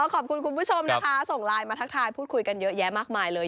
ขอบคุณคุณผู้ชมนะคะส่งไลน์มาทักทายพูดคุยกันเยอะแยะมากมายเลย